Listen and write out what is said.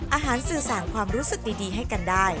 สื่อสารความรู้สึกดีให้กันได้